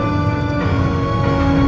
ya kita berhasil